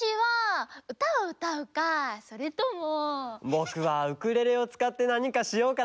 ぼくはウクレレをつかってなにかしようかな。